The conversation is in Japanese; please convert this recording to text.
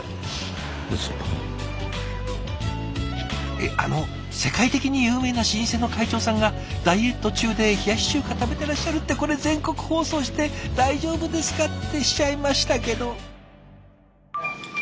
えっあの世界的に有名な老舗の会長さんがダイエット中で冷やし中華食べてらっしゃるってこれ全国放送して大丈夫ですかってしちゃいましたけど。